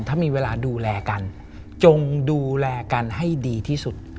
ถ้ามีเวลาดูแลกันจงดูแลกันให้ดีที่สุด